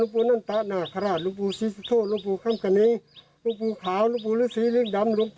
ฟังได้แล้วเรียบร้อยแล้วหมอ